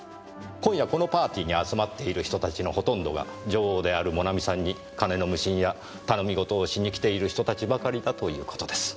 今夜このパーティーに集まっている人たちのほとんどが女王であるモナミさんに金の無心や頼み事をしに来ている人たちばかりだという事です。